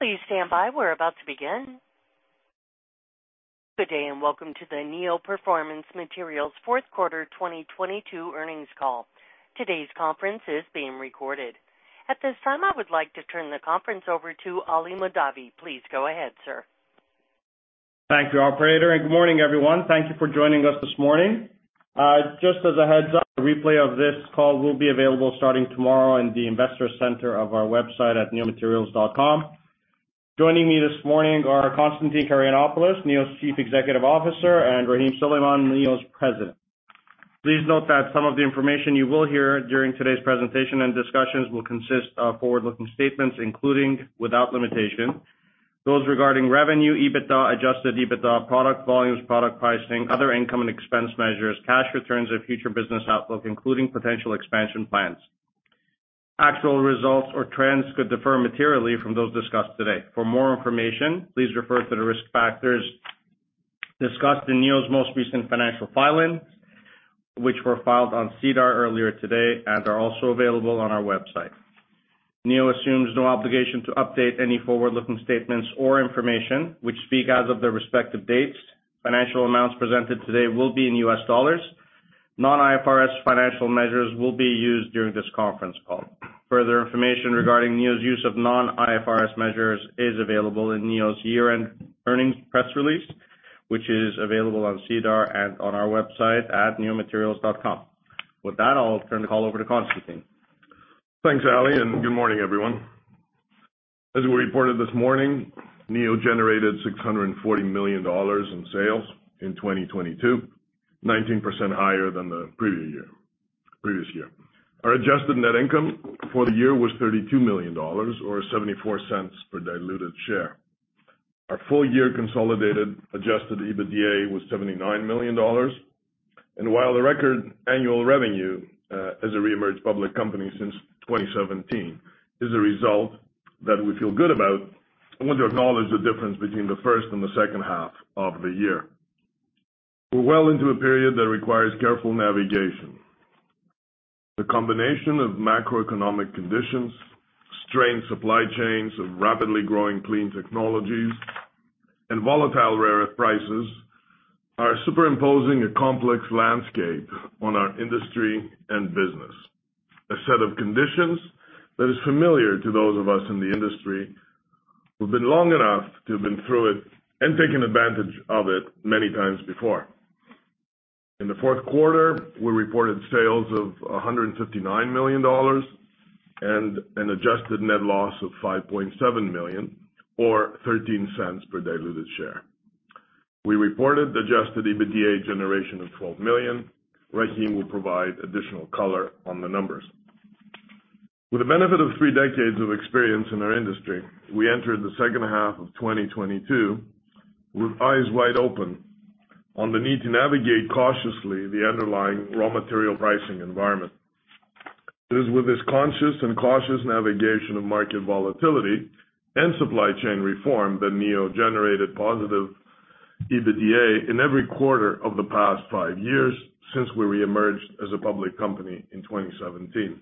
Please stand by. We're about to begin. Good day, welcome to the Neo Performance Materials Q4 2022 earnings call. Today's conference is being recorded. At this time, I would like to turn the conference over to Ali Mahdavi. Please go ahead, sir. Thank you, operator, and good morning, everyone. Thank you for joining us this morning. Just as a heads-up, a replay of this call will be available starting tomorrow in the Investor Center of our website at neomaterials.com. Joining me this morning are Constantine Karayannopoulos, Neo's Chief Executive Officer, and Rahim Suleman, Neo's President. Please note that some of the information you will hear during today's presentation and discussions will consist of forward-looking statements, including without limitation, those regarding revenue, EBITDA, adjusted EBITDA, product volumes, product pricing, other income and expense measures, cash returns of future business outlook, including potential expansion plans. Actual results or trends could differ materially from those discussed today. For more information, please refer to the risk factors discussed in Neo's most recent financial filings, which were filed on SEDAR earlier today and are also available on our website. Neo assumes no obligation to update any forward-looking statements or information which speak as of their respective dates. Financial amounts presented today will be in US dollars. Non-IFRS financial measures will be used during this conference call. Further information regarding Neo's use of non-IFRS measures is available in Neo's year-end earnings press release, which is available on SEDAR and on our website at neomaterials.com. With that, I'll turn the call over to Constantine. Thanks, Ali. Good morning, everyone. As we reported this morning, Neo generated $640 million in sales in 2022, 19% higher than the previous year. Our adjusted net income for the year was $32 million or $0.74 per diluted share. Our full year consolidated adjusted EBITDA was $79 million. While the record annual revenue as a re-emerged public company since 2017 is a result that we feel good about, I want to acknowledge the difference between the first and the second half of the year. We're well into a period that requires careful navigation. The combination of macroeconomic conditions, strained supply chains of rapidly growing clean technologies, and volatile rare earth prices are superimposing a complex landscape on our industry and business. A set of conditions that is familiar to those of us in the industry who've been long enough to have been through it and taken advantage of it many times before. In the Q4, we reported sales of $159 million and an adjusted net loss of $5.7 million or $0.13 per diluted share. We reported adjusted EBITDA generation of $12 million. Rahim will provide additional color on the numbers. With the benefit of 3 decades of experience in our industry, we entered the second half of 2022 with eyes wide open on the need to navigate cautiously the underlying raw material pricing environment. It is with this conscious and cautious navigation of market volatility and supply chain reform that Neo generated positive EBITDA in every quarter of the past 5 years since we reemerged as a public company in 2017.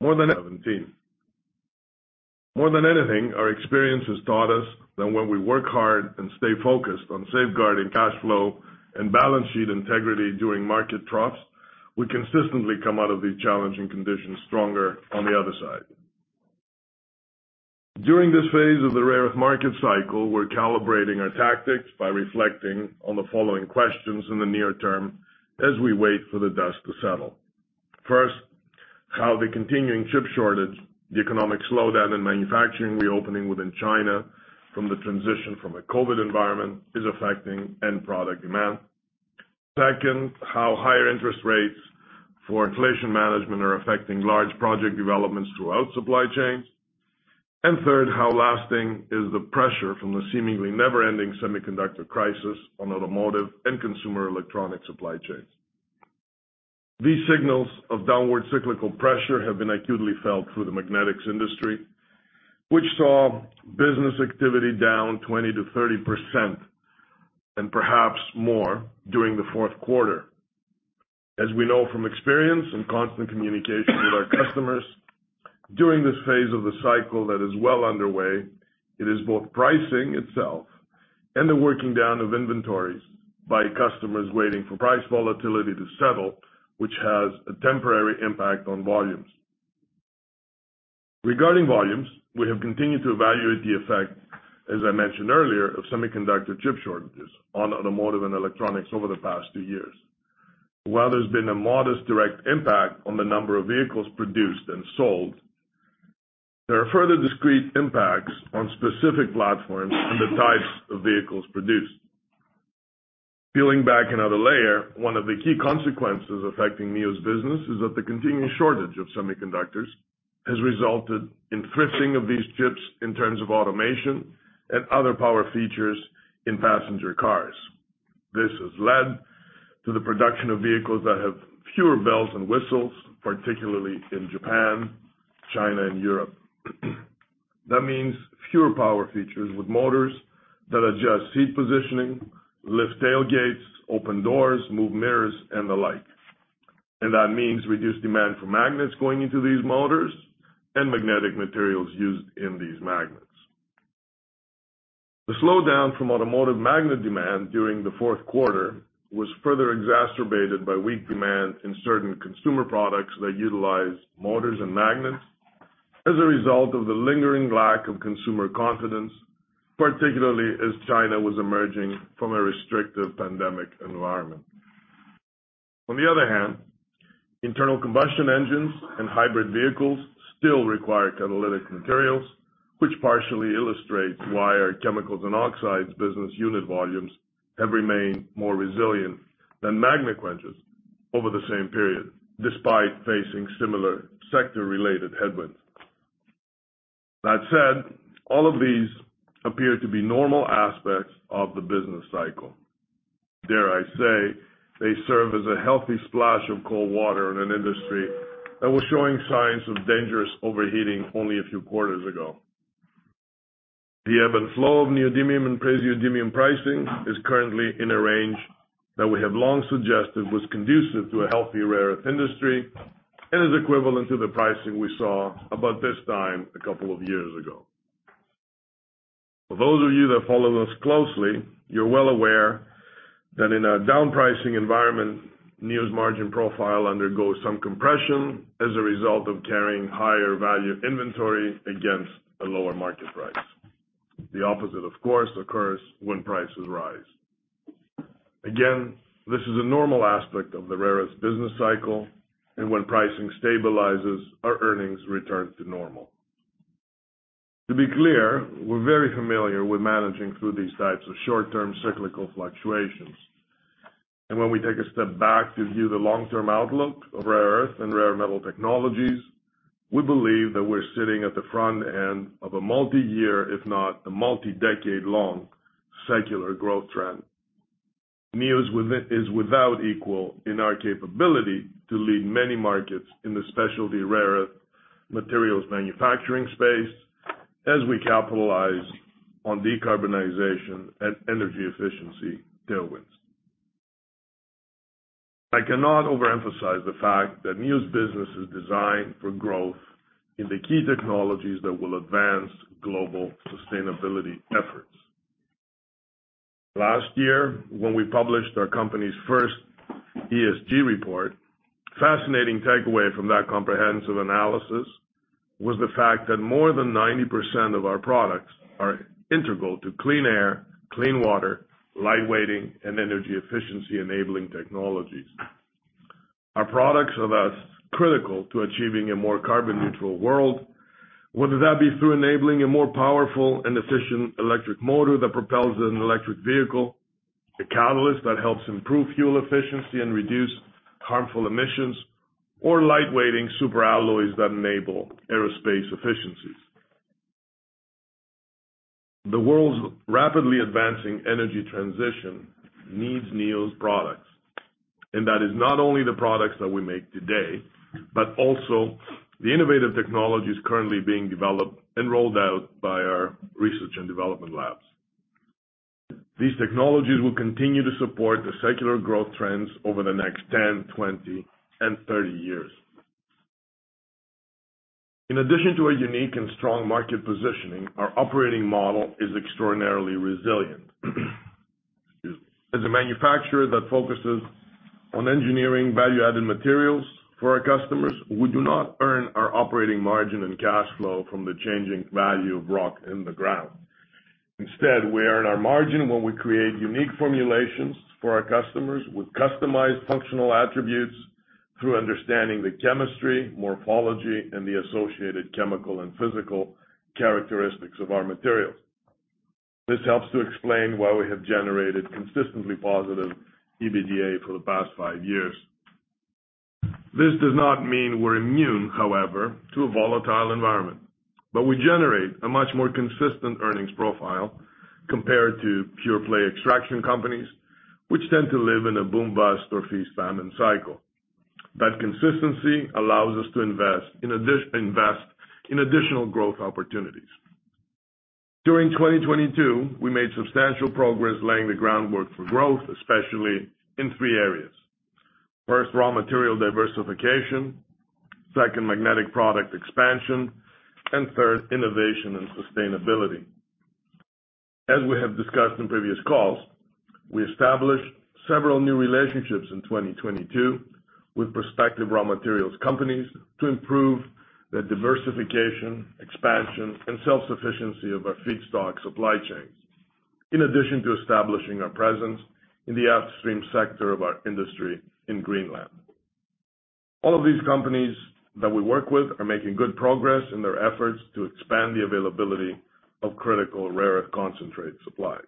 More than anything, our experience has taught us that when we work hard and stay focused on safeguarding cash flow and balance sheet integrity during market troughs, we consistently come out of these challenging conditions stronger on the other side. During this phase of the rare earth market cycle, we're calibrating our tactics by reflecting on the following questions in the near term as we wait for the dust to settle. First, how the continuing chip shortage, the economic slowdown and manufacturing reopening within China from the transition from a COVID environment is affecting end product demand. Second, how higher interest rates for inflation management are affecting large project developments throughout supply chains. Third, how lasting is the pressure from the seemingly never-ending semiconductor crisis on automotive and consumer electronic supply chains. These signals of downward cyclical pressure have been acutely felt through the magnetics industry, which saw business activity down 20%-30% and perhaps more during the Q4. As we know from experience and constant communication with our customers, during this phase of the cycle that is well underway, it is both pricing itself and the working down of inventories by customers waiting for price volatility to settle, which has a temporary impact on volumes. Regarding volumes, we have continued to evaluate the effect, as I mentioned earlier, of semiconductor chip shortages on automotive and electronics over the past 2 years. While there's been a modest direct impact on the number of vehicles produced and sold, there are further discrete impacts on specific platforms and the types of vehicles produced. Peeling back another layer, one of the key consequences affecting Neo's business is that the continued shortage of semiconductors has resulted in thrifting of these chips in terms of automation and other power features in passenger cars. This has led to the production of vehicles that have fewer bells and whistles, particularly in Japan, China, and Europe. That means fewer power features with motors that adjust seat positioning, lift tailgates, open doors, move mirrors, and the like. That means reduced demand for magnets going into these motors and magnetic materials used in these magnets. The slowdown from automotive magnet demand during the Q4 was further exacerbated by weak demand in certain consumer products that utilize motors and magnets as a result of the lingering lack of consumer confidence, particularly as China was emerging from a restrictive pandemic environment. On the other hand, internal combustion engines and hybrid vehicles still require catalytic materials, which partially illustrates why our Chemicals & Oxides business unit volumes have remained more resilient than Magnequench over the same period, despite facing similar sector-related headwinds. That said, all of these appear to be normal aspects of the business cycle. Dare I say, they serve as a healthy splash of cold water in an industry that was showing signs of dangerous overheating only a few quarters ago. The ebb and flow of neodymium and praseodymium pricing is currently in a range that we have long suggested was conducive to a healthy rare earth industry and is equivalent to the pricing we saw about this time a couple of years ago. For those of you that follow us closely, you're well aware that in a downpricing environment, Neo's margin profile undergoes some compression as a result of carrying higher value inventory against a lower market price. The opposite, of course, occurs when prices rise. Again, this is a normal aspect of the rare earth business cycle, and when pricing stabilizes, our earnings return to normal. To be clear, we're very familiar with managing through these types of short-term cyclical fluctuations. When we take a step back to view the long-term outlook of rare earth and rare metal technologies, we believe that we're sitting at the front end of a multi-year, if not a multi-decade long, secular growth trend. Neo is without equal in our capability to lead many markets in the specialty rare earth materials manufacturing space as we capitalize on decarbonization and energy efficiency tailwinds. I cannot overemphasize the fact that Neo's business is designed for growth in the key technologies that will advance global sustainability efforts. Last year, when we published our company's first ESG report, fascinating takeaway from that comprehensive analysis was the fact that more than 90% of our products are integral to clean air, clean water, light weighting, and energy efficiency-enabling technologies. Our products are thus critical to achieving a more carbon-neutral world, whether that be through enabling a more powerful and efficient electric motor that propels an electric vehicle, a catalyst that helps improve fuel efficiency and reduce harmful emissions, or light-weighting super alloys that enable aerospace efficiencies. The world's rapidly advancing energy transition needs Neo's products, and that is not only the products that we make today, but also the innovative technologies currently being developed and rolled out by our research and development labs. These technologies will continue to support the secular growth trends over the next 10, 20, and 30 years. In addition to a unique and strong market positioning, our operating model is extraordinarily resilient. Excuse me. As a manufacturer that focuses on engineering value-added materials for our customers, we do not earn our operating margin and cash flow from the changing value of rock in the ground. Instead, we earn our margin when we create unique formulations for our customers with customized functional attributes through understanding the chemistry, morphology, and the associated chemical and physical characteristics of our materials. This helps to explain why we have generated consistently positive EBITDA for the past 5 years. This does not mean we're immune, however, to a volatile environment, but we generate a much more consistent earnings profile compared to pure-play extraction companies, which tend to live in a boom-bust or feast-famine cycle. That consistency allows us to invest in additional growth opportunities. During 2022, we made substantial progress laying the groundwork for growth, especially in 3 areas. First, raw material diversification, second, magnetic product expansion, and third, innovation and sustainability. As we have discussed in previous calls, we established several new relationships in 2022 with prospective raw materials companies to improve the diversification, expansion, and self-sufficiency of our feedstock supply chains, in addition to establishing our presence in the upstream sector of our industry in Greenland. All of these companies that we work with are making good progress in their efforts to expand the availability of critical rare concentrate supplies.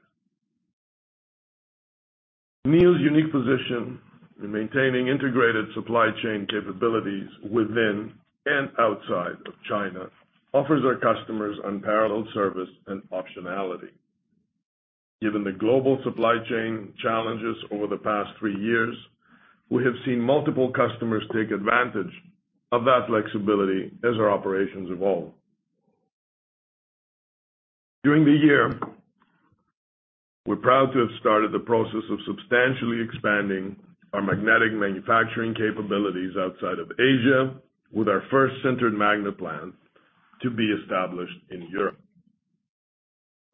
Neo's unique position in maintaining integrated supply chain capabilities within and outside of China offers our customers unparalleled service and optionality. Given the global supply chain challenges over the past three years, we have seen multiple customers take advantage of that flexibility as our operations evolve. During the year, we're proud to have started the process of substantially expanding our magnetic manufacturing capabilities outside of Asia with our first sintered magnet plant to be established in Europe.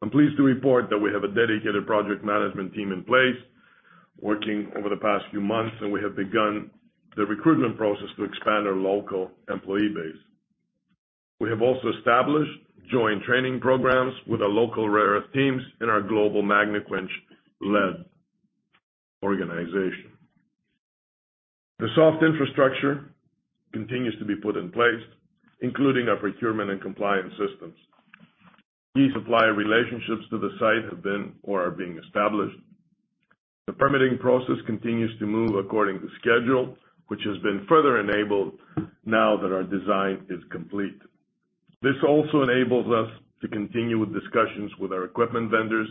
I'm pleased to report that we have a dedicated project management team in place working over the past few months, and we have begun the recruitment process to expand our local employee base. We have also established joint training programs with our local rare earth teams in our global Magnequench-led organization. The soft infrastructure continues to be put in place, including our procurement and compliance systems. Key supplier relationships to the site have been or are being established. The permitting process continues to move according to schedule, which has been further enabled now that our design is complete. This also enables us to continue with discussions with our equipment vendors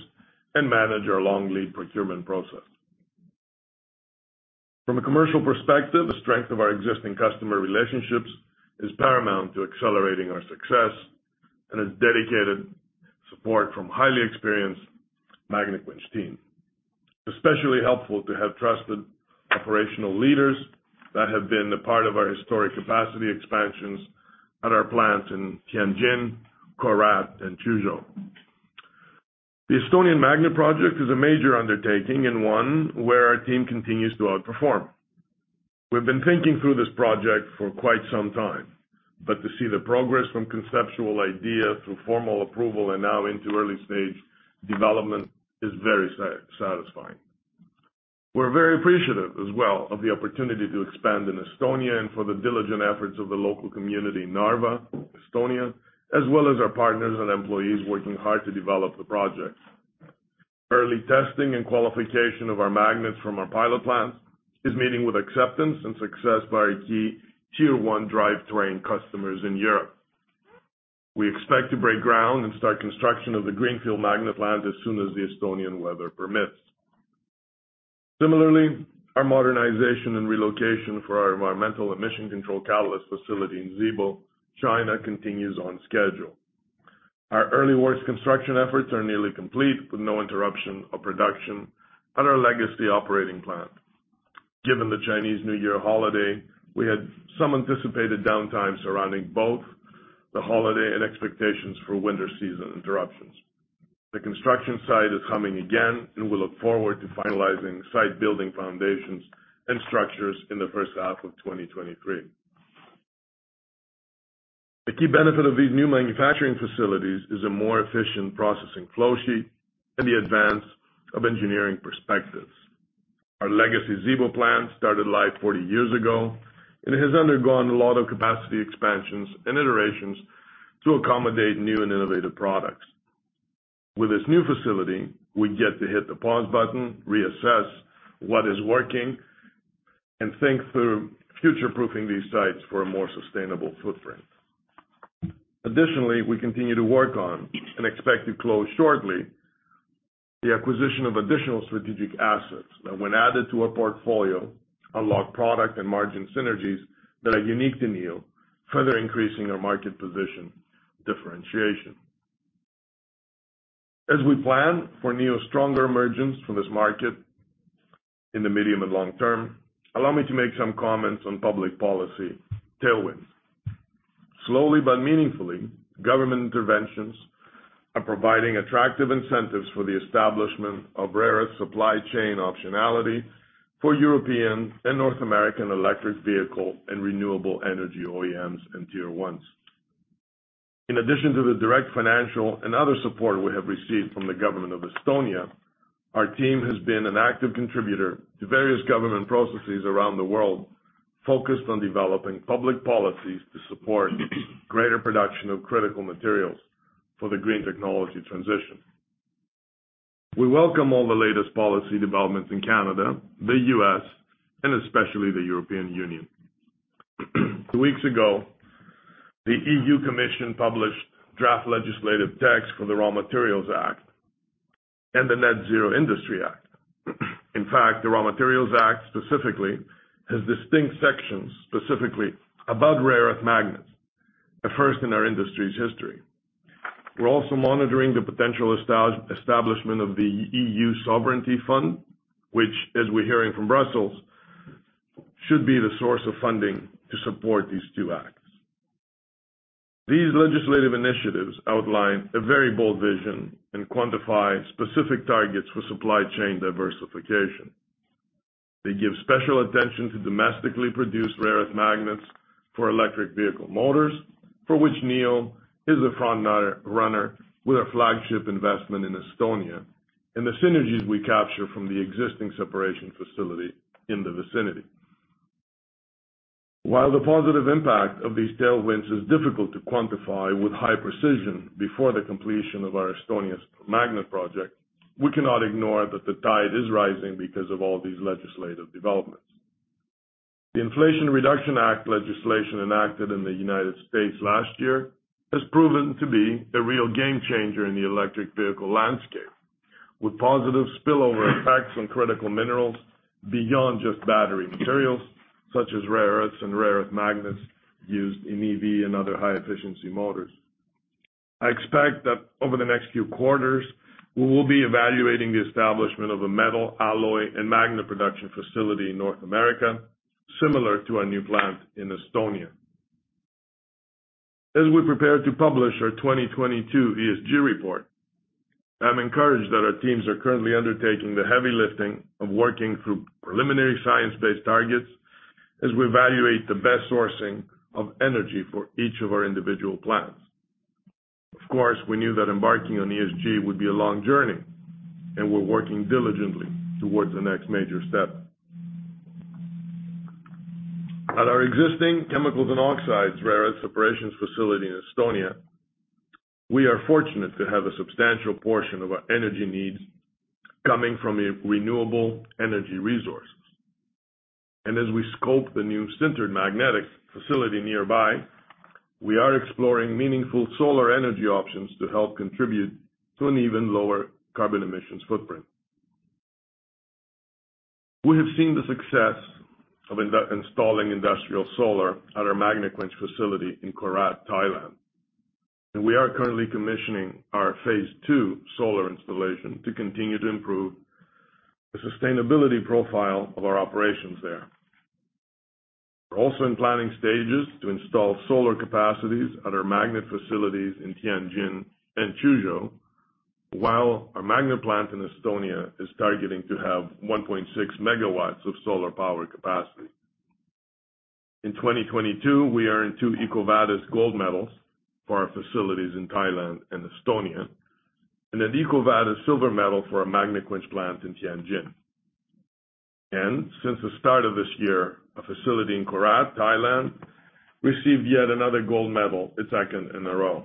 and manage our long lead procurement process. From a commercial perspective, the strength of our existing customer relationships is paramount to accelerating our success and has dedicated support from highly experienced Magnequench team. Especially helpful to have trusted operational leaders that have been a part of our historic capacity expansions at our plant in Tianjin, Korat, and Suzhou. The Estonian Magnet Project is a major undertaking and one where our team continues to outperform. We've been thinking through this project for quite some time. To see the progress from conceptual idea to formal approval and now into early stage development is very satisfying. We're very appreciative as well of the opportunity to expand in Estonia and for the diligent efforts of the local community in Narva, Estonia, as well as our partners and employees working hard to develop the projects. Early testing and qualification of our magnets from our pilot plants is meeting with acceptance and success by key tier-one drivetrain customers in Europe. We expect to break ground and start construction of the Greenfield Magnet plant as soon as the Estonian weather permits. Similarly, our modernization and relocation for our environmental emission control catalyst facility in Zibo, China, continues on schedule. Our early works construction efforts are nearly complete with no interruption of production at our legacy operating plant. Given the Chinese New Year holiday, we had some anticipated downtime surrounding both the holiday and expectations for winter season interruptions. The construction site is humming again. We look forward to finalizing site building foundations and structures in the first half of 2023. The key benefit of these new manufacturing facilities is a more efficient processing flowsheet and the advance of engineering perspectives. Our legacy Zibo plant started life 40 years ago. It has undergone a lot of capacity expansions and iterations to accommodate new and innovative products. With this new facility, we get to hit the pause button, reassess what is working, and think through future-proofing these sites for a more sustainable footprint. Additionally, we continue to work on and expect to close shortly the acquisition of additional strategic assets that when added to our portfolio, unlock product and margin synergies that are unique to Neo, further increasing our market position differentiation. As we plan for Neo's stronger emergence from this market in the medium and long term, allow me to make some comments on public policy tailwinds. Slowly but meaningfully, government interventions are providing attractive incentives for the establishment of rare earth supply chain optionality for European and North American electric vehicle and renewable energy OEMs and tier ones. In addition to the direct financial and other support we have received from the Government of Estonia, our team has been an active contributor to various government processes around the world focused on developing public policies to support greater production of critical materials for the green technology transition. We welcome all the latest policy developments in Canada, the U.S., and especially the European Union. Weeks ago, the EU Commission published draft legislative text for the Raw Materials Act and the Net Zero Industry Act. The Critical Raw Materials Act specifically has distinct sections, specifically about rare earth magnets, a first in our industry's history. We're also monitoring the potential establishment of the European Sovereignty Fund, which, as we're hearing from Brussels, should be the source of funding to support these two acts. These legislative initiatives outline a very bold vision and quantify specific targets for supply chain diversification. They give special attention to domestically produced rare earth magnets for electric vehicle motors, for which Neo is a front runner with our flagship investment in Estonia and the synergies we capture from the existing separation facility in the vicinity. While the positive impact of these tailwinds is difficult to quantify with high precision before the completion of our Estonian Magnet Project, we cannot ignore that the tide is rising because of all these legislative developments. The Inflation Reduction Act legislation enacted in the U.S. last year has proven to be a real game changer in the electric vehicle landscape. With positive spillover effects on critical minerals beyond just battery materials, such as rare earths and rare earth magnets used in EV and other high-efficiency motors. I expect that over the next few quarters, we will be evaluating the establishment of a metal alloy and magnet production facility in North America, similar to our new plant in Estonia. As we prepare to publish our 2022 ESG report, I'm encouraged that our teams are currently undertaking the heavy lifting of working through preliminary Science-Based Targets as we evaluate the best sourcing of energy for each of our individual plants. Of course, we knew that embarking on ESG would be a long journey, and we're working diligently towards the next major step. At our existing Chemicals & Oxides rare earth separations facility in Estonia, we are fortunate to have a substantial portion of our energy needs coming from renewable energy resources. As we scope the new sintered magnetic facility nearby, we are exploring meaningful solar energy options to help contribute to an even lower carbon emissions footprint. We have seen the success of installing industrial solar at our Magnequench facility in Korat, Thailand, and we are currently commissioning our phase two solar installation to continue to improve the sustainability profile of our operations there. We're also in planning stages to install solar capacities at our magnet facilities in Tianjin and Suzhou, while our magnet plant in Estonia is targeting to have 1.6 MW of solar power capacity. In 2022, we earned 2 EcoVadis gold medals for our facilities in Thailand and Estonia, and an EcoVadis silver medal for our Magnequench plant in Tianjin. Since the start of this year, a facility in Korat, Thailand, received yet another gold medal, its second in a row.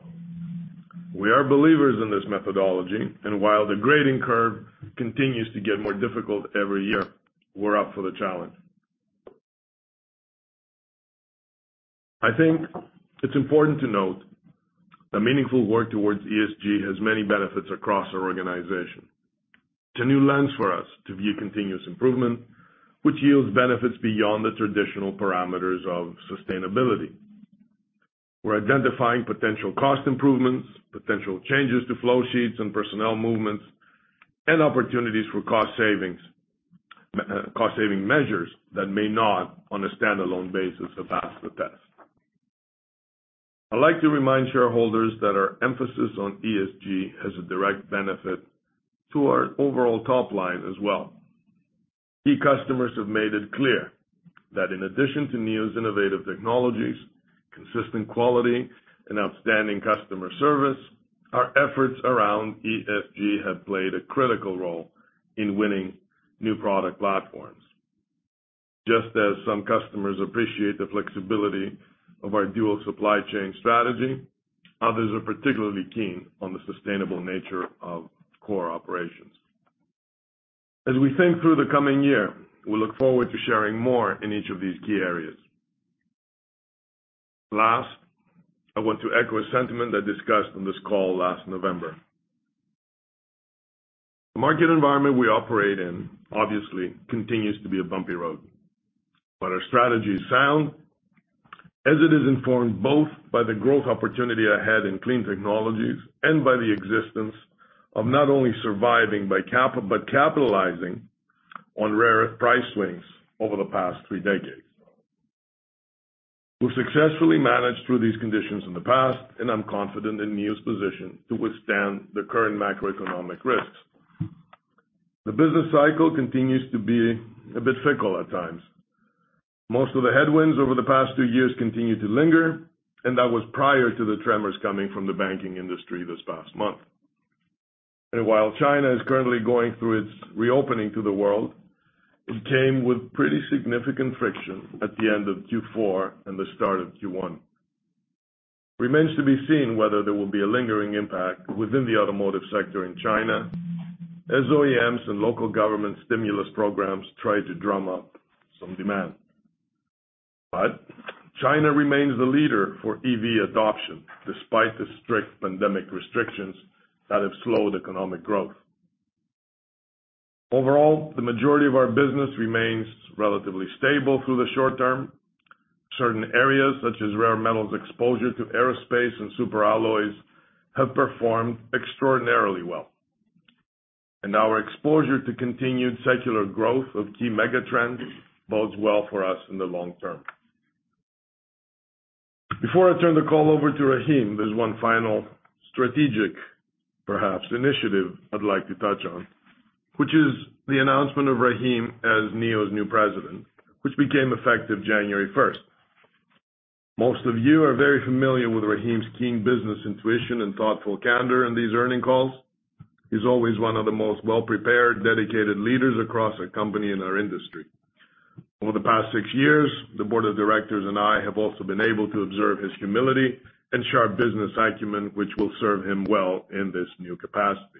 We are believers in this methodology, and while the grading curve continues to get more difficult every year, we're up for the challenge. I think it's important to note that meaningful work towards ESG has many benefits across our organization. It's a new lens for us to view continuous improvement, which yields benefits beyond the traditional parameters of sustainability. We're identifying potential cost improvements, potential changes to flow sheets and personnel movements, and opportunities for cost savings, cost-saving measures that may not, on a standalone basis, have passed the test. I'd like to remind shareholders that our emphasis on ESG has a direct benefit to our overall top line as well. Key customers have made it clear that in addition to Neo's innovative technologies, consistent quality, and outstanding customer service, our efforts around ESG have played a critical role in winning new product platforms. Just as some customers appreciate the flexibility of our dual supply chain strategy, others are particularly keen on the sustainable nature of core operations. As we think through the coming year, we look forward to sharing more in each of these key areas. Last, I want to echo a sentiment I discussed on this call last November. The market environment we operate in obviously continues to be a bumpy road, but our strategy is sound as it is informed both by the growth opportunity ahead in clean technologies and by the existence of not only surviving but capitalizing on rare earth price swings over the past 3 decades. We've successfully managed through these conditions in the past, and I'm confident in Neo's position to withstand the current macroeconomic risks. The business cycle continues to be a bit fickle at times. Most of the headwinds over the past 2 years continue to linger, and that was prior to the tremors coming from the banking industry this past month. While China is currently going through its reopening to the world, it came with pretty significant friction at the end of Q4 and the start of Q1. It remains to be seen whether there will be a lingering impact within the automotive sector in China as OEMs and local government stimulus programs try to drum up some demand. China remains the leader for EV adoption despite the strict pandemic restrictions that have slowed economic growth. Overall, the majority of our business remains relatively stable through the short term. Certain areas, such as rare metals exposure to aerospace and super alloys, have performed extraordinarily well. Our exposure to continued secular growth of key mega trends bodes well for us in the long term. Before I turn the call over to Rahim, there's one final strategic, perhaps initiative I'd like to touch on, which is the announcement of Rahim as Neo's new President, which became effective January first. Most of you are very familiar with Rahim's keen business intuition and thoughtful candor in these earning calls. He's always one of the most well-prepared, dedicated leaders across our company and our industry. Over the past 6 years, the board of directors and I have also been able to observe his humility and sharp business acumen, which will serve him well in this new capacity.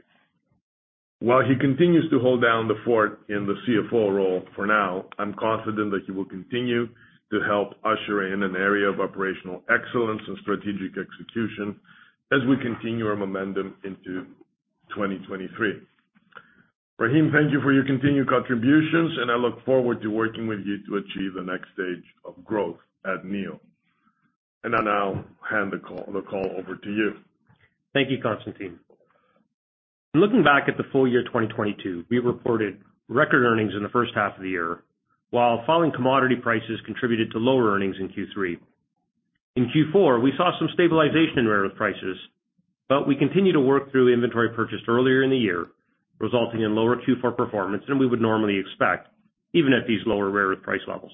While he continues to hold down the fort in the CFO role for now, I'm confident that he will continue to help usher in an area of operational excellence and strategic execution as we continue our momentum into 2023. Rahim, thank you for your continued contributions, and I look forward to working with you to achieve the next stage of growth at Neo. I now hand the call over to you. Thank you, Constantine. Looking back at the full year 2022, we reported record earnings in the first half of the year, while falling commodity prices contributed to lower earnings in Q3. In Q4, we saw some stabilization in rare earth prices, but we continue to work through inventory purchased earlier in the year, resulting in lower Q4 performance than we would normally expect, even at these lower rare earth price levels.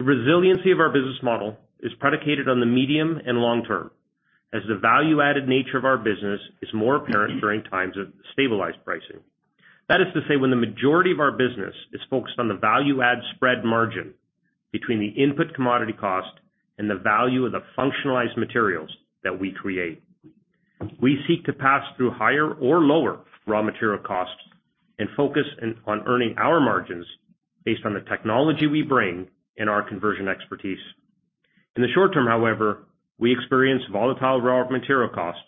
The resiliency of our business model is predicated on the medium and long-term, as the value-added nature of our business is more apparent during times of stabilized pricing. That is to say, when the majority of our business is focused on the value-add spread margin between the input commodity cost and the value of the functionalized materials that we create. We seek to pass through higher or lower raw material costs and focus on earning our margins based on the technology we bring and our conversion expertise. In the short term, however, we experience volatile raw material costs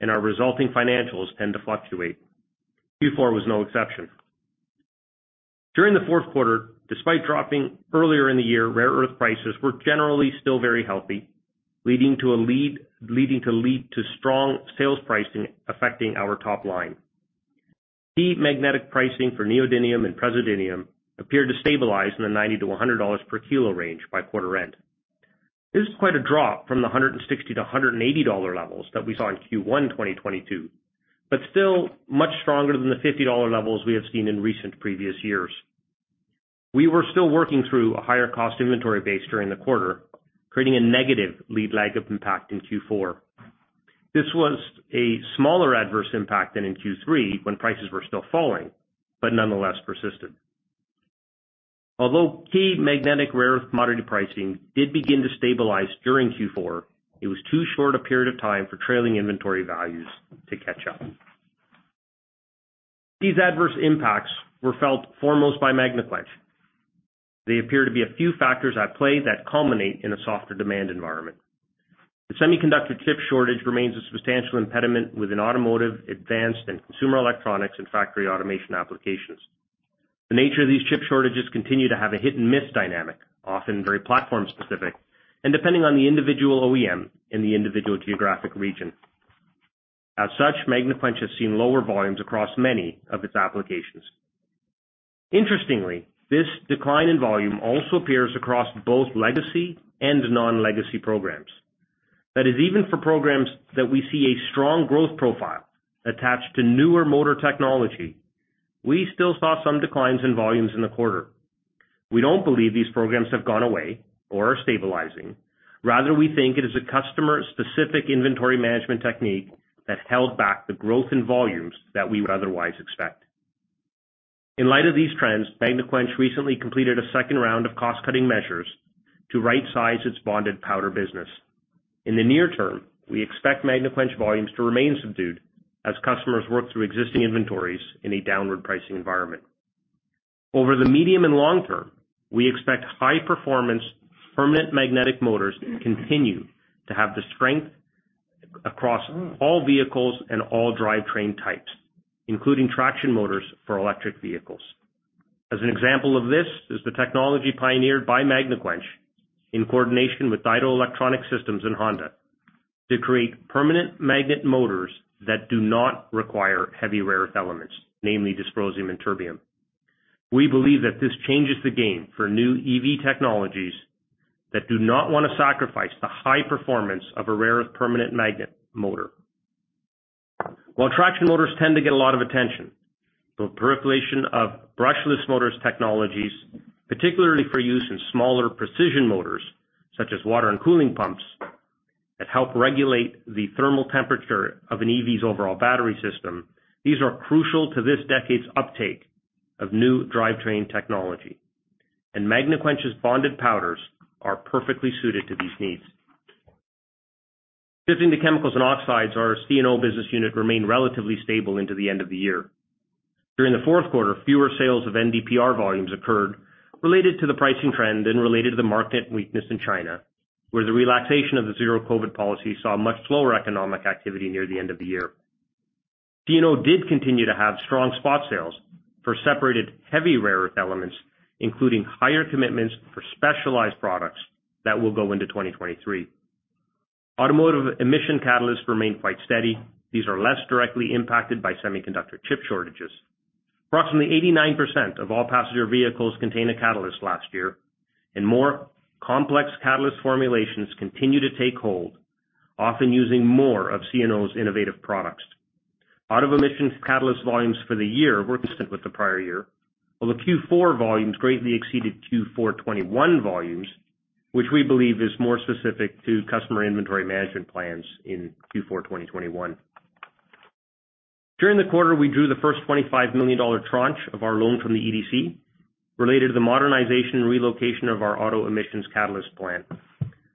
and our resulting financials tend to fluctuate. Q4 was no exception. During the Q4, despite dropping earlier in the year, rare earth prices were generally still very healthy, leading to strong sales pricing affecting our top line. Key magnetic pricing for neodymium and praseodymium appeared to stabilize in the $90-$100 per kilo range by quarter end. This is quite a drop from the $160-$180 levels that we saw in Q1 2022, but still much stronger than the $50 levels we have seen in recent previous years. We were still working through a higher cost inventory base during the quarter, creating a negative lead-lag of impact in Q4. This was a smaller adverse impact than in Q3, when prices were still falling, but nonetheless persisted. Key magnetic rare earth commodity pricing did begin to stabilize during Q4, it was too short a period of time for trailing inventory values to catch up. These adverse impacts were felt foremost by Magnequench. They appear to be a few factors at play that culminate in a softer demand environment. The semiconductor chip shortage remains a substantial impediment within automotive, advanced and consumer electronics and factory automation applications. The nature of these chip shortages continue to have a hit-and-miss dynamic, often very platform-specific, and depending on the individual OEM in the individual geographic region. As such, Magnequench has seen lower volumes across many of its applications. Interestingly, this decline in volume also appears across both legacy and non-legacy programs. Even for programs that we see a strong growth profile attached to newer motor technology, we still saw some declines in volumes in the quarter. We don't believe these programs have gone away or are stabilizing. We think it is a customer-specific inventory management technique that held back the growth in volumes that we would otherwise expect. In light of these trends, Magnequench recently completed a second round of cost-cutting measures to rightsize its bonded powder business. In the near term, we expect Magnequench volumes to remain subdued as customers work through existing inventories in a downward pricing environment. Over the medium and long term, we expect high-performance permanent magnetic motors to continue to have the strength across all vehicles and all drivetrain types, including traction motors for electric vehicles. As an example of this is the technology pioneered by Magnequench in coordination with Daido Electronics and Honda to create permanent magnet motors that do not require heavy rare earth elements, namely dysprosium and terbium. We believe that this changes the game for new EV technologies that do not want to sacrifice the high performance of a rare earth permanent magnet motor. While traction motors tend to get a lot of attention, the proliferation of brushless motors technologies, particularly for use in smaller precision motors, such as water and cooling pumps that help regulate the thermal temperature of an EV's overall battery system, these are crucial to this decade's uptake of new drivetrain technology. Magnequench's bonded powders are perfectly suited to these needs. Shifting to Chemicals & Oxides, our C&O business unit remained relatively stable into the end of the year. During the Q4, fewer sales of NDPR volumes occurred related to the pricing trend and related to the market weakness in China, where the relaxation of the zero-COVID policy saw much slower economic activity near the end of the year. C&O did continue to have strong spot sales for separated heavy rare earth elements, including higher commitments for specialized products that will go into 2023. Automotive emission catalysts remained quite steady. These are less directly impacted by semiconductor chip shortages. Approximately 89% of all passenger vehicles contained a catalyst last year. More complex catalyst formulations continue to take hold, often using more of C&O's innovative products. Auto emissions catalyst volumes for the year were consistent with the prior year, while the Q4 volumes greatly exceeded Q4 2021 volumes, which we believe is more specific to customer inventory management plans in Q4 2021. During the quarter, we drew the first $25 million tranche of our loan from the EDC related to the modernization and relocation of our auto emissions catalyst plant.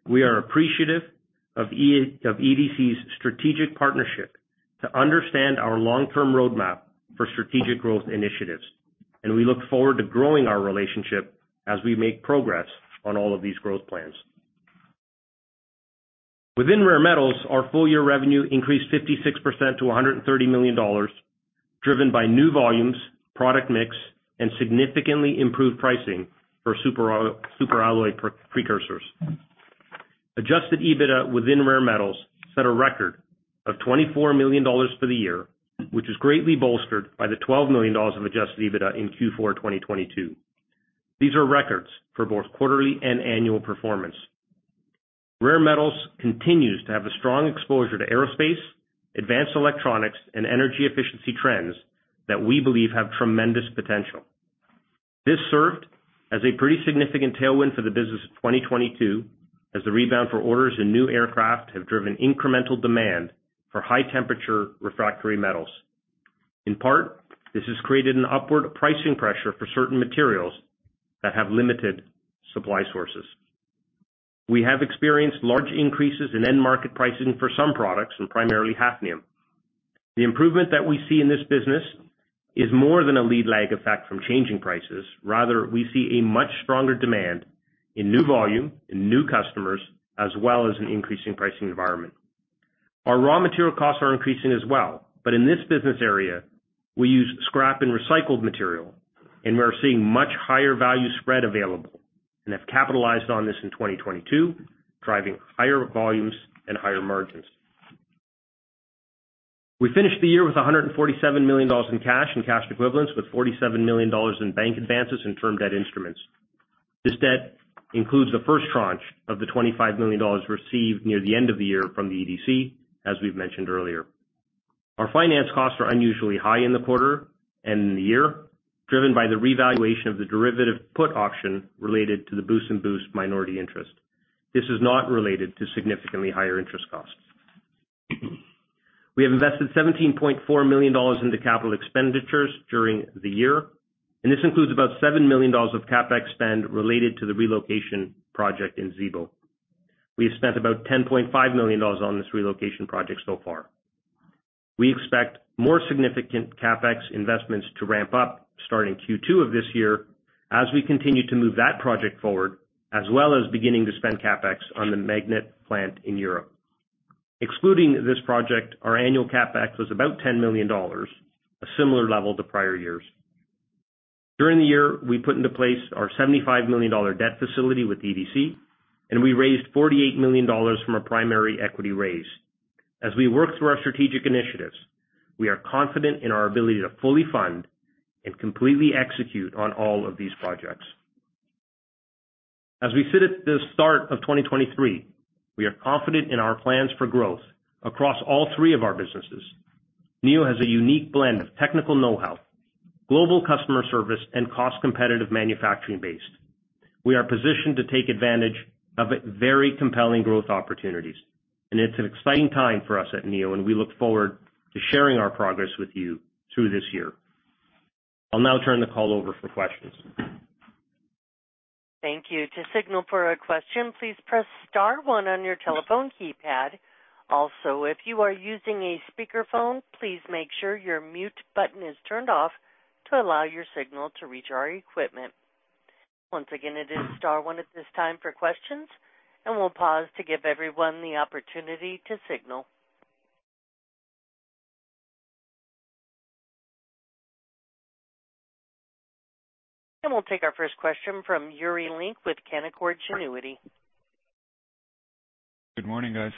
We are appreciative of EDC's strategic partnership to understand our long-term roadmap for strategic growth initiatives. We look forward to growing our relationship as we make progress on all of these growth plans. Within Rare Metals, our full year revenue increased 56% to $130 million, driven by new volumes, product mix, and significantly improved pricing for superalloy precursors. Adjusted EBITDA within Rare Metals set a record of $24 million for the year, which was greatly bolstered by the $12 million of adjusted EBITDA in Q4 2022. These are records for both quarterly and annual performance. Rare Metals continues to have a strong exposure to aerospace, advanced electronics, and energy efficiency trends that we believe have tremendous potential. This served as a pretty significant tailwind for the business of 2022, as the rebound for orders in new aircraft have driven incremental demand for high temperature refractory metals. In part, this has created an upward pricing pressure for certain materials that have limited supply sources. We have experienced large increases in end market pricing for some products, and primarily hafnium. The improvement that we see in this business is more than a lead-lag effect from changing prices. Rather, we see a much stronger demand in new volume, in new customers, as well as an increasing pricing environment. Our raw material costs are increasing as well. In this business area, we use scrap and recycled material, and we're seeing much higher value spread available and have capitalized on this in 2022, driving higher volumes and higher margins. We finished the year with $147 million in cash and cash equivalents, with $47 million in bank advances and term debt instruments. This debt includes the first tranche of the $25 million received near the end of the year from the EDC, as we've mentioned earlier. Our finance costs are unusually high in the quarter and in the year, driven by the revaluation of the derivative put option related to the Buss & Buss minority interest. This is not related to significantly higher interest costs. We have invested $17.4 million into capital expenditures during the year. This includes about $7 million of CapEx spend related to the relocation project in Sillamäe. We have spent about $10.5 million on this relocation project so far. We expect more significant CapEx investments to ramp up starting Q2 of this year as we continue to move that project forward, as well as beginning to spend CapEx on the magnet plant in Europe. Excluding this project, our annual CapEx was about $10 million, a similar level to prior years. During the year, we put into place our $75 million debt facility with EDC. We raised $48 million from a primary equity raise. As we work through our strategic initiatives, we are confident in our ability to fully fund and completely execute on all of these projects. As we sit at the start of 2023, we are confident in our plans for growth across all three of our businesses. Neo has a unique blend of technical know-how, global customer service, and cost-competitive manufacturing base. It's an exciting time for us at Neo, and we look forward to sharing our progress with you through this year. I'll now turn the call over for questions. Thank you. To signal for a question, please press star one on your telephone keypad. If you are using a speakerphone, please make sure your mute button is turned off to allow your signal to reach our equipment. Once again, it is star one at this time for questions, and we'll pause to give everyone the opportunity to signal. We'll take our first question from Yuri Lynk with Canaccord Genuity. Good morning, guys.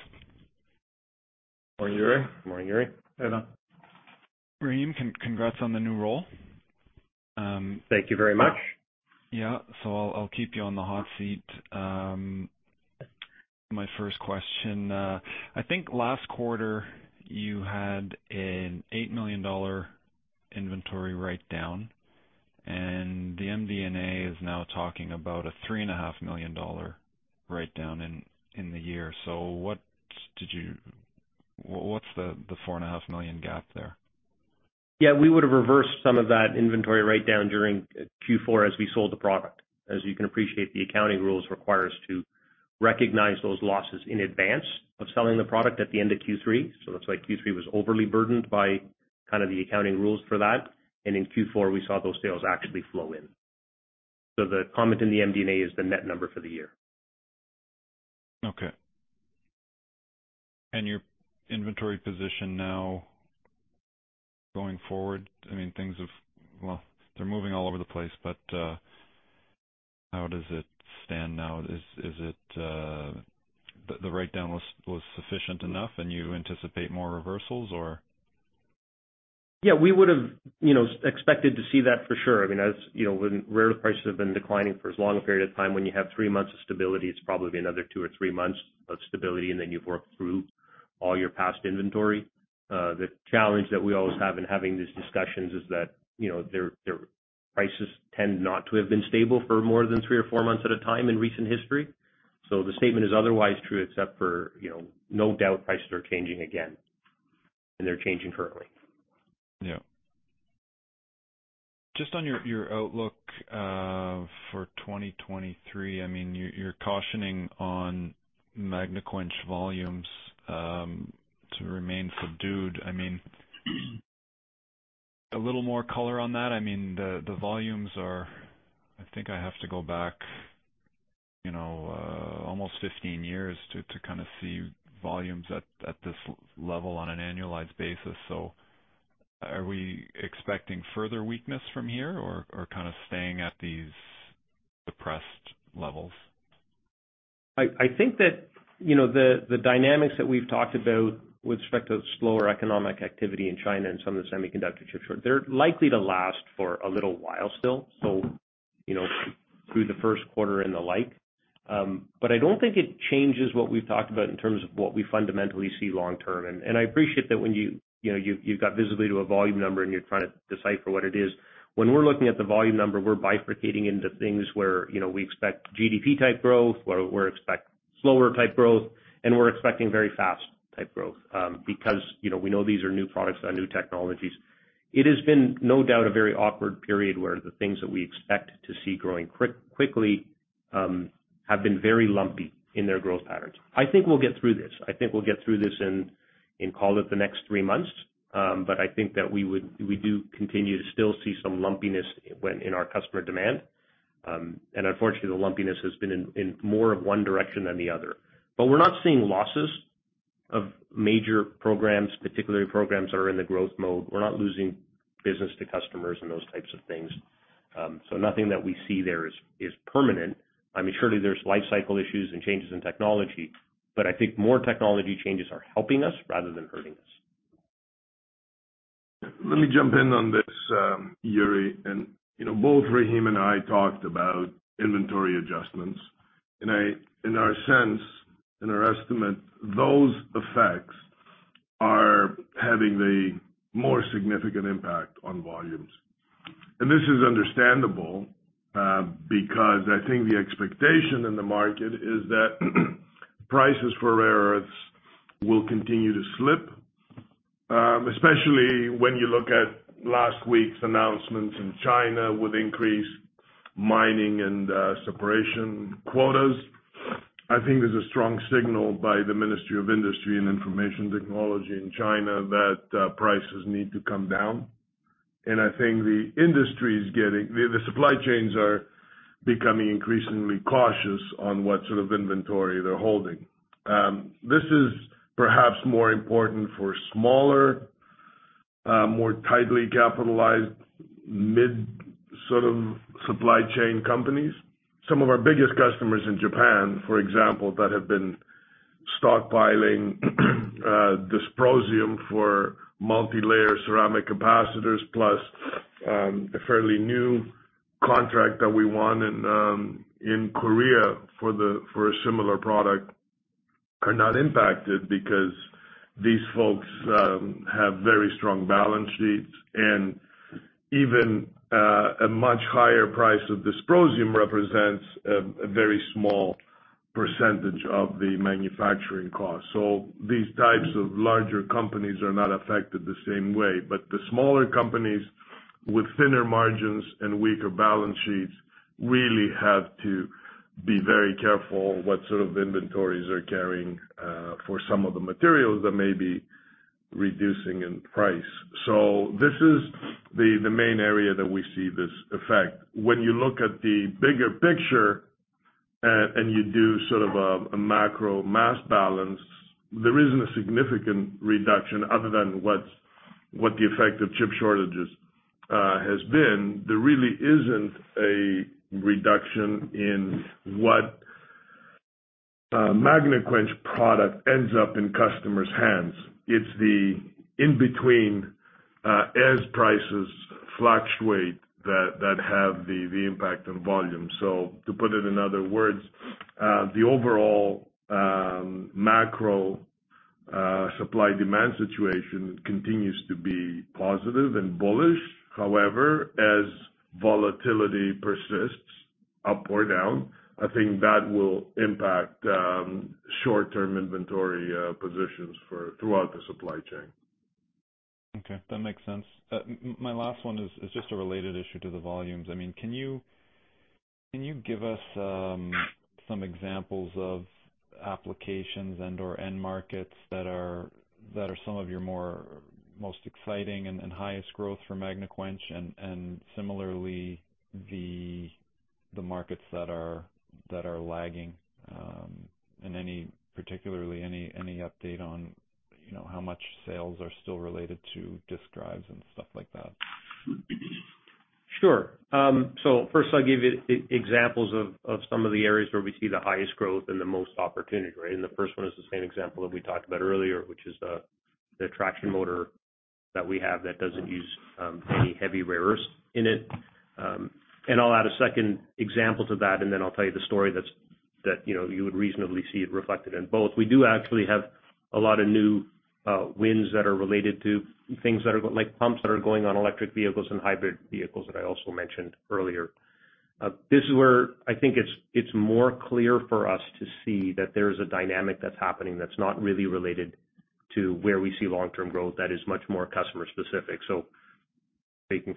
Morning, Yuri. Morning, Yuri. Hi, there. Rahim, congrats on the new role. Thank you very much. I'll keep you on the hot seat. My first question. I think last quarter you had an $8 million inventory write down. The MD&A is now talking about a $3.5 million write down in the year. What's the $4.5 million gap there? Yeah, we would have reversed some of that inventory write down during Q4 as we sold the product. As you can appreciate, the accounting rules require us to recognize those losses in advance of selling the product at the end of Q3. That's why Q3 was overly burdened by kind of the accounting rules for that. In Q4, we saw those sales actively flow in. The comment in the MD&A is the net number for the year. Okay. Your inventory position now going forward, I mean, things have... Well, they're moving all over the place, but, how does it stand now? Is it, the write down was sufficient enough and you anticipate more reversals or? We would've, you know, expected to see that for sure. I mean, as you know, when rare prices have been declining for as long a period of time, when you have 3 months of stability, it's probably another 2 or 3 months of stability, and then you've worked through all your past inventory. The challenge that we always have in having these discussions is that, you know, their prices tend not to have been stable for more than 3 or 4 months at a time in recent history. The statement is otherwise true, except for, you know, no doubt prices are changing again, and they're changing currently. Yeah. Just on your outlook for 2023. I mean, you're cautioning on Magnequench volumes to remain subdued. A little more color on that. I mean, the volumes I think I have to go back, you know, almost 15 years to kind of see volumes at this level on an annualized basis. Are we expecting further weakness from here or kind of staying at these suppressed levels? I think that, you know, the dynamics that we've talked about with respect to slower economic activity in China and some of the semiconductor chip short, they're likely to last for a little while still, so, you know, through the first quarter and the like. I don't think it changes what we've talked about in terms of what we fundamentally see long term. I appreciate that when you know, you've got visibility to a volume number and you're trying to decipher what it is. When we're looking at the volume number, we're bifurcating into things where, you know, we expect GDP type growth, where we're expect slower type growth, and we're expecting very fast type growth, because, you know, we know these are new products that are new technologies. It has been, no doubt, a very awkward period where the things that we expect to see growing quickly have been very lumpy in their growth patterns. I think we'll get through this. I think we'll get through this in call it the next three months. I think that we do continue to still see some lumpiness in our customer demand. Unfortunately, the lumpiness has been in more of one direction than the other. We're not seeing losses of major programs, particularly programs that are in the growth mode. We're not losing business to customers and those types of things. Nothing that we see there is permanent. I mean, surely there's life cycle issues and changes in technology, but I think more technology changes are helping us rather than hurting us. Let me jump in on this, Yuri. You know, both Rahim and I talked about inventory adjustments. In our sense, in our estimate, those effects are having the more significant impact on volumes. This is understandable, because I think the expectation in the market is that prices for rare earths will continue to slip, especially when you look at last week's announcements in China with increased mining and separation quotas. I think there's a strong signal by the Ministry of Industry and Information Technology in China that prices need to come down. I think the supply chains are becoming increasingly cautious on what sort of inventory they're holding. This is perhaps more important for smaller, more tightly capitalized mid sort of supply chain companies. Some of our biggest customers in Japan, for example, that have been stockpiling dysprosium for multilayer ceramic capacitor powders, a fairly new contract that we won in Korea for a similar product, are not impacted because these folks have very strong balance sheets. Even a much higher price of dysprosium represents a very small % of the manufacturing cost. These types of larger companies are not affected the same way. The smaller companies with thinner margins and weaker balance sheets really have to be very careful what sort of inventories they're carrying for some of the materials that may be reducing in price. This is the main area that we see this effect. When you look at the bigger picture and you do sort of a macro mass balance, there isn't a significant reduction other than what the effect of chip shortages has been. There really isn't a reduction in what Magnequench product ends up in customers' hands. It's the in-between, as prices fluctuate that have the impact on volume. To put it in other words, the overall macro supply-demand situation continues to be positive and bullish. However, as volatility persists up or down, I think that will impact short-term inventory positions for throughout the supply chain. Okay, that makes sense. My last one is just a related issue to the volumes. I mean, can you give us some examples of applications and/or end markets that are some of your more most exciting and highest growth for Magnequench? And similarly, the markets that are lagging, and any, particularly any update on, you know, how much sales are still related to disk drives and stuff like that? Sure. So first I'll give you examples of some of the areas where we see the highest growth and the most opportunity, right? The first one is the same example that we talked about earlier, which is the traction motor that we have that doesn't use any heavy rare earths in it. I'll add a second example to that, then I'll tell you the story that, you know, you would reasonably see it reflected in both. We do actually have a lot of new wins that are related to things that are like pumps that are going on electric vehicles and hybrid vehicles that I also mentioned earlier. This is where I think it's more clear for us to see that there's a dynamic that's happening that's not really related to where we see long-term growth that is much more customer specific.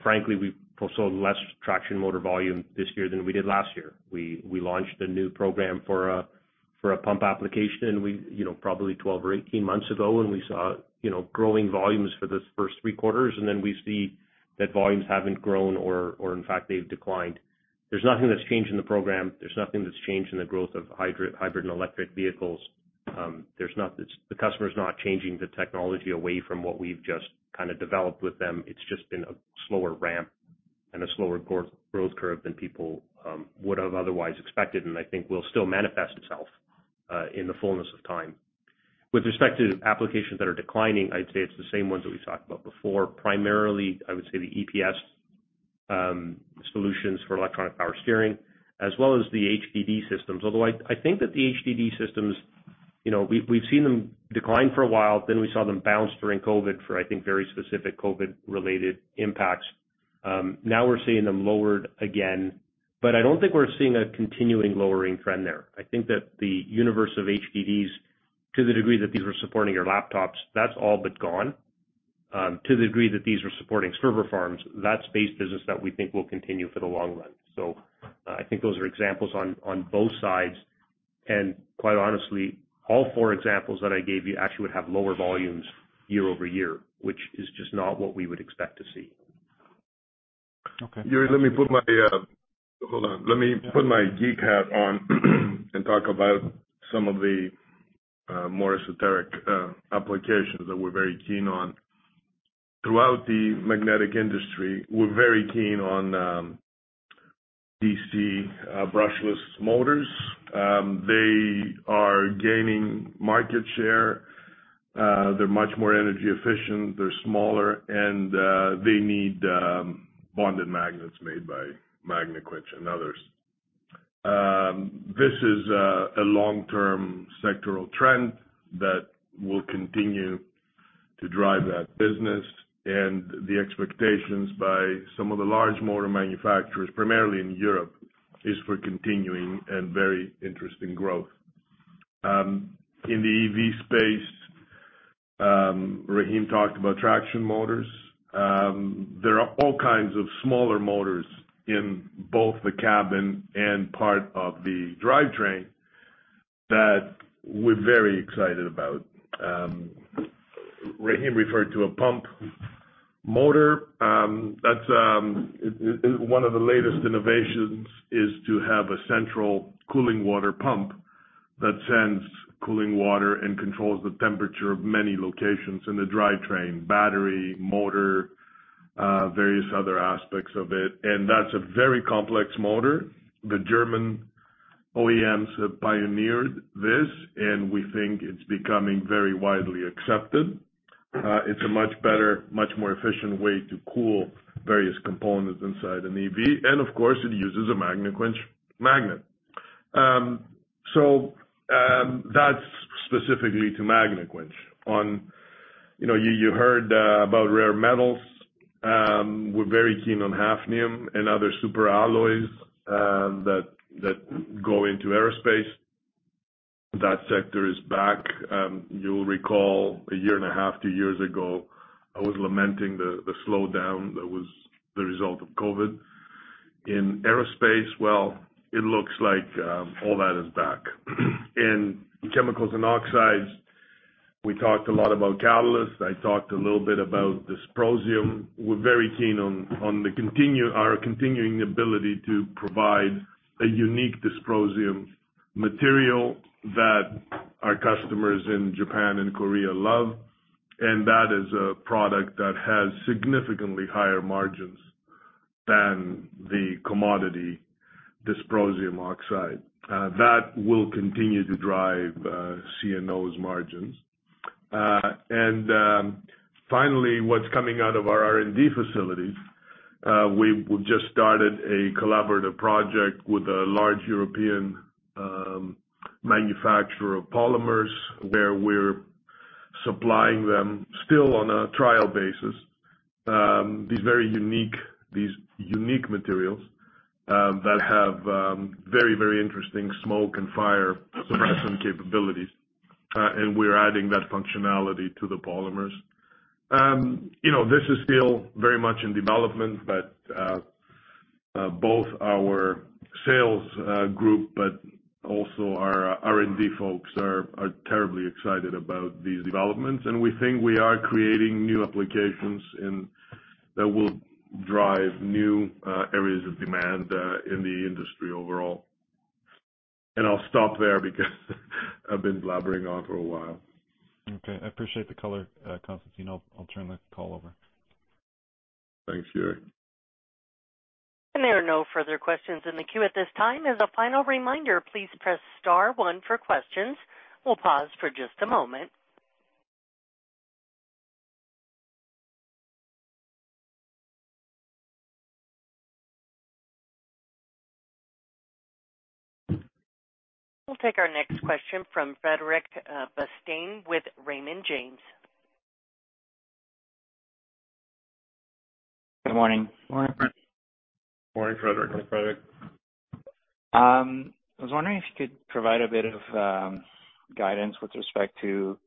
Frankly, we've sold less traction motor volume this year than we did last year. We launched a new program for a pump application, we, you know, probably 12 or 18 months ago when we saw, you know, growing volumes for the first three quarters, we see that volumes haven't grown or in fact they've declined. There's nothing that's changed in the program. There's nothing that's changed in the growth of hybrid and electric vehicles. The customer's not changing the technology away from what we've just kind of developed with them. It's just been a slower ramp and a slower growth curve than people would have otherwise expected, and I think will still manifest itself in the fullness of time. With respect to applications that are declining, I'd say it's the same ones that we talked about before. Primarily, I would say the EPS solutions for electronic power steering, as well as the HDD systems. Although I think that the HDD systems, you know, we've seen them decline for a while, then we saw them bounce during COVID for, I think, very specific COVID related impacts. Now we're seeing them lowered again, but I don't think we're seeing a continuing lowering trend there. I think that the universe of HDDs, to the degree that these were supporting your laptops, that's all but gone. To the degree that these were supporting server farms, that's base business that we think will continue for the long run. I think those are examples on both sides. Quite honestly, all four examples that I gave you actually would have lower volumes year-over-year, which is just not what we would expect to see. Okay. Gary, let me put my geek hat on and talk about some of the more esoteric applications that we're very keen on. Throughout the magnetic industry, we're very keen on DC brushless motors. They are gaining market share. They're much more energy efficient, they're smaller, and they need bonded magnets made by Magnequench and others. This is a long-term sectoral trend that will continue to drive that business, and the expectations by some of the large motor manufacturers, primarily in Europe, is for continuing and very interesting growth. In the EV space, Rahim talked about traction motors. There are all kinds of smaller motors in both the cabin and part of the drivetrain that we're very excited about. Rahim referred to a pump motor. That's. One of the latest innovations is to have a central cooling water pump that sends cooling water and controls the temperature of many locations in the drivetrain: battery, motor, various other aspects of it. That's a very complex motor. The German OEMs have pioneered this, and we think it's becoming very widely accepted. It's a much better, much more efficient way to cool various components inside an EV. Of course, it uses a Magnequench magnet. That's specifically to Magnequench. You know, you heard about Rare Metals. We're very keen on hafnium and other superalloys that go into aerospace. That sector is back. You'll recall a year and a half, two years ago, I was lamenting the slowdown that was the result of COVID. In aerospace, well, it looks like all that is back. In Chemicals & Oxides, we talked a lot about catalysts. I talked a little bit about dysprosium. We're very keen on our continuing ability to provide a unique dysprosium material that our customers in Japan and Korea love, and that is a product that has significantly higher margins than the commodity dysprosium oxide. That will continue to drive C&O's margins. Finally, what's coming out of our R&D facilities, we've just started a collaborative project with a large European manufacturer of polymers, where we're supplying them, still on a trial basis, these very unique, these unique materials that have very interesting smoke and fire suppression capabilities. And we're adding that functionality to the polymers. you know, this is still very much in development, both our sales group, but also our R&D folks are terribly excited about these developments. We think we are creating new applications and that will drive new areas of demand in the industry overall. I'll stop there because I've been blabbering on for a while. Okay. I appreciate the color, Constantine. I'll turn the call over. Thanks, Gary. There are no further questions in the queue at this time. As a final reminder, please press star one for questions. We'll pause for just a moment. We'll take our next question from Frederic Bastien with Raymond James. Good morning. Morning. Morning, Frederic. Morning, Frederic. I was wondering if you could provide a bit of guidance with respect to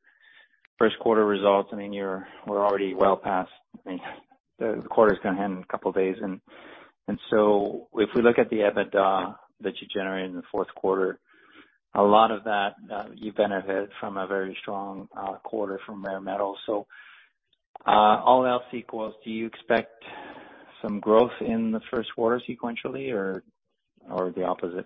First quarter results. I mean, we're already well past, I think, the quarter's gonna end in a couple days. If we look at the EBITDA that you generated in the Q4, a lot of that, you benefit from a very strong quarter from Rare Metals. All else equals, do you expect some growth in the first quarter sequentially or the opposite?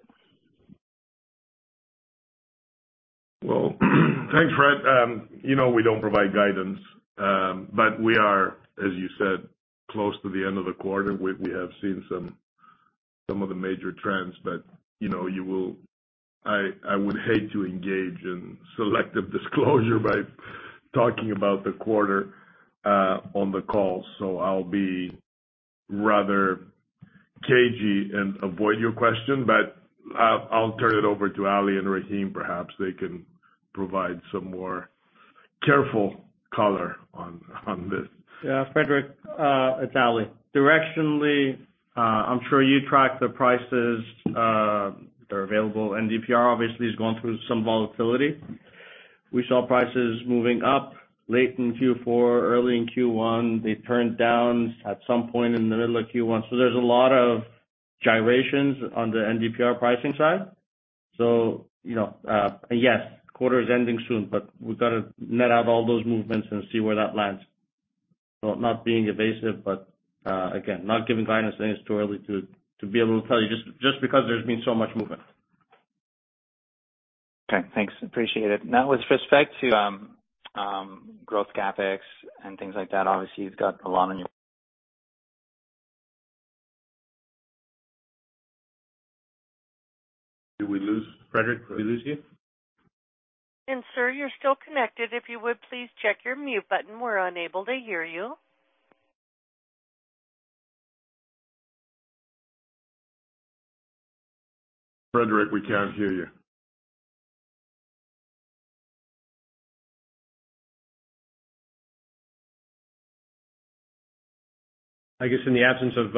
Thanks, Fred. You know, we don't provide guidance, we are, as you said, close to the end of the quarter. We have seen some of the major trends. You know, I would hate to engage in selective disclosure by talking about the quarter on the call, so I'll be rather cagey and avoid your question. I'll turn it over to Ali and Rahim. Perhaps they can provide some more careful color on this. Yeah, Frederic, it's Ali. Directionally, I'm sure you track the prices, they're available. NdPr obviously has gone through some volatility. We saw prices moving up late in Q4, early in Q1. They turned down at some point in the middle of Q1. There's a lot of gyrations on the NdPr pricing side. You know, yes, quarter is ending soon, but we've got to net out all those movements and see where that lands. I'm not being evasive, but, again, not giving guidance and it's too early to be able to tell you just because there's been so much movement. Okay, thanks. Appreciate it. With respect to, growth CapEx and things like that, obviously you've got a lot on your-. Did we lose Frederic? Did we lose you? Sir, you're still connected. If you would, please check your mute button. We're unable to hear you. Frederic, we can't hear you. I guess in the absence of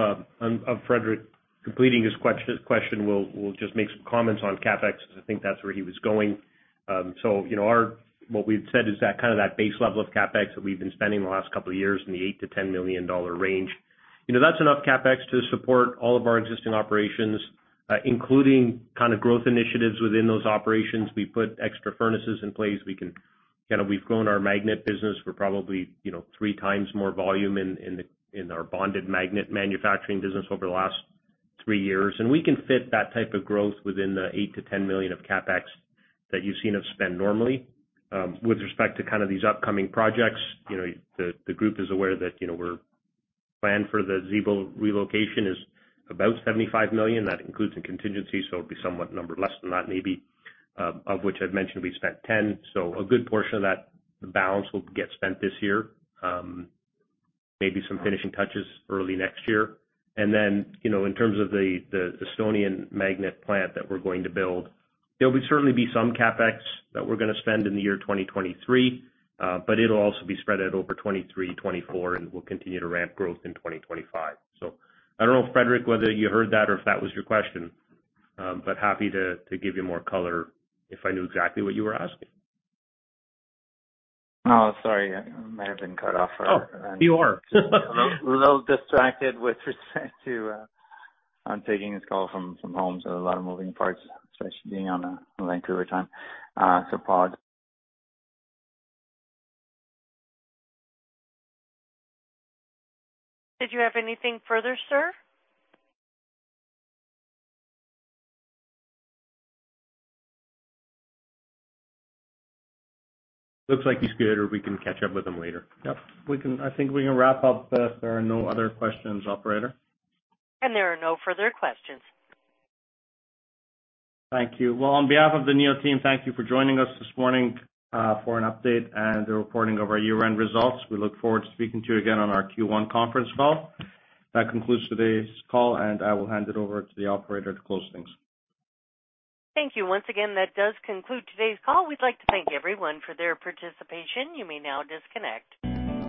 Frederic Bastien completing his question, we'll just make some comments on CapEx, because I think that's where he was going. So, you know, what we've said is that kind of that base level of CapEx that we've been spending the last couple of years in the $8 million-$10 million range. You know, that's enough CapEx to support all of our existing operations, including kind of growth initiatives within those operations. We put extra furnaces in place. We've grown our magnet business. We're probably, you know, 3 times more volume in our bonded magnet manufacturing business over the last 3 years. We can fit that type of growth within the $8 million-$10 million of CapEx that you've seen us spend normally. With respect to kind of these upcoming projects, you know, the group is aware that, you know, we're plan for the Sillamäe relocation is about $75 million. That includes a contingency, so it'll be somewhat number less than that maybe, of which I'd mentioned we spent $10. A good portion of that balance will get spent this year. Maybe some finishing touches early next year. You know, in terms of the Estonian Magnet Project that we're going to build, there'll be certainly be some CapEx that we're gonna spend in the year 2023, but it'll also be spread out over 2023, 2024, and we'll continue to ramp growth in 2025. I don't know, Frederic, whether you heard that or if that was your question, but happy to give you more color if I knew exactly what you were asking. Oh, sorry. I might have been cut off for a- Oh, you are. A little distracted with respect to, I'm taking this call from home, so a lot of moving parts, especially being on Vancouver time, so apologies. Did you have anything further, sir? Looks like he's good, or we can catch up with him later. Yep. I think we can wrap up if there are no other questions, operator. There are no further questions. Thank you. Well, on behalf of the Neo team, thank you for joining us this morning, for an update and the reporting of our year-end results. We look forward to speaking to you again on our Q1 conference call. That concludes today's call, I will hand it over to the operator to close things. Thank you. Once again, that does conclude today's call. We'd like to thank everyone for their participation. You may now disconnect.